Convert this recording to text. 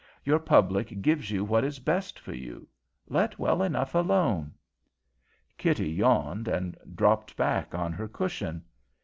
Your public gives you what is best for you. Let well enough alone." Kitty yawned and dropped back on her cushions.